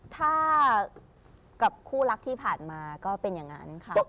ถ้ากับคู่รักที่ผ่านมาก็เป็นอย่างนั้นค่ะ